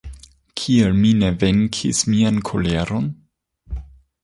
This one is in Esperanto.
Kial mi ne venkis mian koleron?